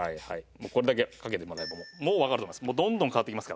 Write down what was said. もうこれだけかけてもらえばもうわかると思います。